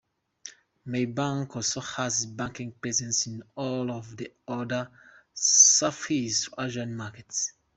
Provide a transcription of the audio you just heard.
Maybank also has a banking presence in all of the other Southeast Asian markets.